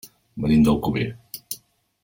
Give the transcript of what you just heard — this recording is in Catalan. Venim d'Alcover.